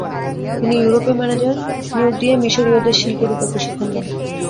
তিনি ইউরোপীয় ম্যানেজার নিয়োগ দিয়ে মিশরীয়দের শিল্পের উপর প্রশিক্ষণ দেন।